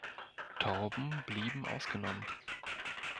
Tauben blieben ausgenommen.